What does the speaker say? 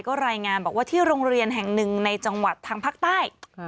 ก็รายงานบอกว่าที่โรงเรียนแห่งหนึ่งในจังหวัดทางภาคใต้